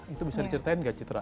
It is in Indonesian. itu bisa diceritain nggak citra